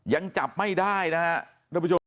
ยังจับไม่ได้นะครับ